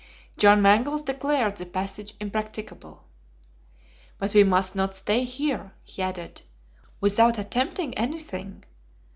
John Mangles declared the passage impracticable. "But we must not stay here," he added, "without attempting anything.